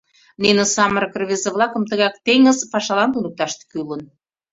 Нине самырык рвезе-влакым тыгак теҥыз пашалан туныкташ кӱлын.